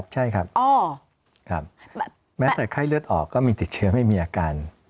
ใช่ครับแม้แต่ไข้เลือดออกก็มีติดเชื้อไม่มีอาการ